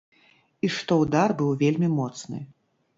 І што ўдар быў вельмі моцны.